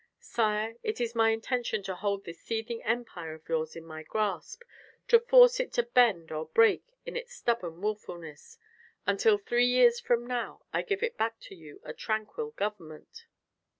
Sire, it is my intention to hold this seething Empire of yours in my grasp, to force it to bend or break in its stubborn wilfulness, until three years from now I give it back to you a tranquil government.